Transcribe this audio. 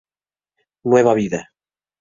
Nueva vida.